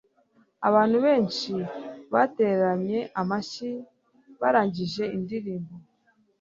abantu benshi bateranye amashyi barangije indirimbo